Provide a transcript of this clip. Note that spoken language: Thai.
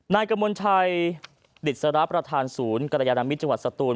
นายกระมวลชัยดิษรประธานศูนย์กรยานมิตรจังหวัดสตูน